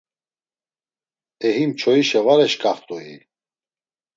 E him çoyişa var eşǩaxt̆ui?